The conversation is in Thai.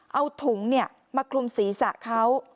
เอาถุงมาคลุมศีรษะเขา